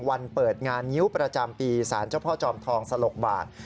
เปิดงานงิ้วประจำปีสารเจ้าพ่อจอมทองสลกบาท